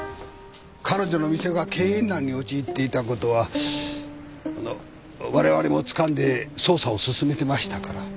彼女の店が経営難に陥っていたことはわれわれもつかんで捜査を進めてましたから。